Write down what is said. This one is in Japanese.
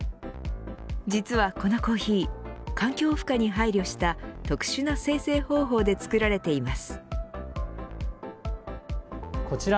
実はこのコーヒー環境負荷に配慮した特殊な精製方法で作られています。